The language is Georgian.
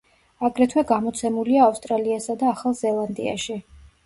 აგრეთვე გამოცემულია ავსტრალიასა და ახალ ზელანდიაში.